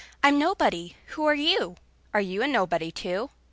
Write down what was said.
I'm nobody! Who are you? Are you nobody, too?